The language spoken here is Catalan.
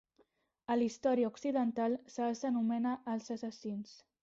A la història occidental se'ls anomena els Assassins.